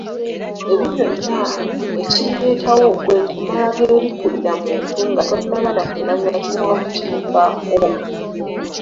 Ebyo byonna ekibireetawo kwe kumala geebikkulira muntu nga tonnaba nakumanya kiwanvu kimufaako.